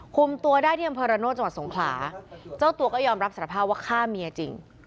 คุมตัวได้ที่อำเภอระโนธจังหวัดสงขลาเจ้าตัวก็ยอมรับสารภาพว่าฆ่าเมียจริง